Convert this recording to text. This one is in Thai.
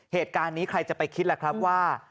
เหตุการณ์นี้ใครจะไปคิดล่ะครับว่า